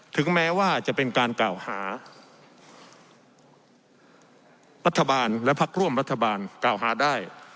ถึงแม้ว่าจะเป็นการกล่าวหารัฐบาลและพักร่วมรัฐบาลกล่าวหาได้